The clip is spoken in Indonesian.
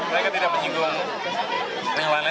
mereka tidak menyinggung yang lain lain